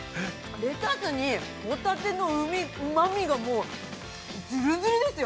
レタスにホタテのうまみがもう、ずるずるですよ。